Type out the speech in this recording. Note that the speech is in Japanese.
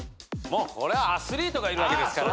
これはアスリートがいるわけですから。